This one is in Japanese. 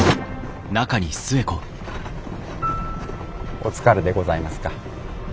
お疲れでございますか？